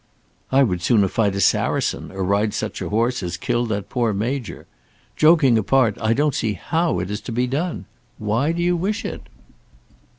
"I would sooner fight a Saracen, or ride such a horse as killed that poor major. Joking apart, I don't see how it is to be done. Why do you wish it?"